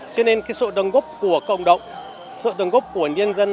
cho nên sự đồng góp của cộng đồng sự đồng góp của nhân dân